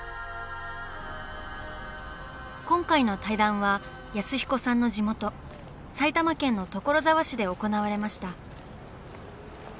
今回の対談は安彦さんの地元埼玉県の所沢市で行われました。